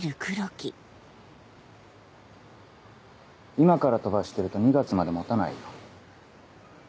今から飛ばしてると２月まで持たないよ。